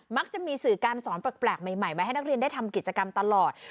มักจะมีสื่อการสอนแปลกใหม่มาให้นักเรียนได้ทำกิจกรรมตลอด